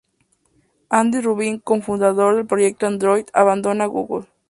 Andy Rubin, cofundador del proyecto android, abandona Google.